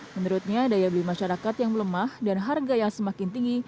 menurutnya daya beli masyarakat yang melemah dan harga yang semakin tinggi